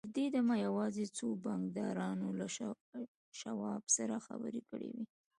تر دې دمه یوازې څو بانکدارانو له شواب سره خبرې کړې وې